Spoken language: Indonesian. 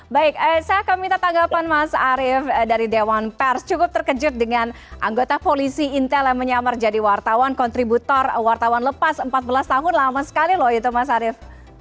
baik saya akan minta tanggapan mas arief dari dewan pers cukup terkejut dengan anggota polisi intel yang menyamar jadi wartawan kontributor wartawan lepas empat belas tahun lama sekali loh itu mas arief